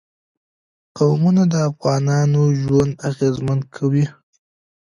قومونه د افغانانو ژوند اغېزمن کوي.